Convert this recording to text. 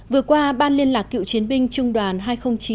vừa qua ban liên lạc cựu chiến binh trung đoàn hai nghìn chín